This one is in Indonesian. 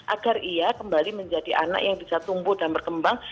agar ia kembali menjadi anak yang bisa tumbuh dan berkembang